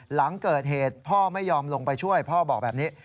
หลังเกิดเหตุพ่อไม่ยอมลงไปช่วยพ่อบอกแบบนี้